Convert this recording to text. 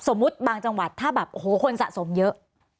บางจังหวัดถ้าแบบโอ้โหคนสะสมเยอะ